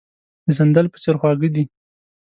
د سندل په څېر خواږه دي.